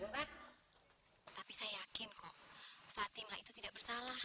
tapi saya yakin kok fatimah itu tidak bersalah